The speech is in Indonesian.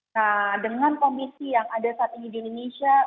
nah dengan kondisi yang ada saat ini di indonesia